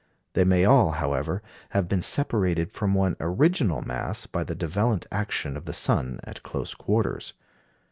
They may all, however, have been separated from one original mass by the divellent action of the sun at close quarters.